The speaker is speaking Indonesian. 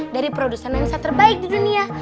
dari produsen lensa terbaik di dunia